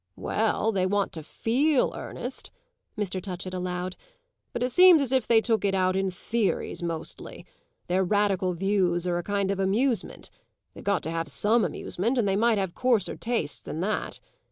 "Well, they want to feel earnest," Mr. Touchett allowed; "but it seems as if they took it out in theories mostly. Their radical views are a kind of amusement; they've got to have some amusement, and they might have coarser tastes than that.